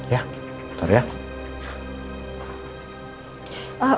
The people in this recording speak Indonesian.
ya bentar ya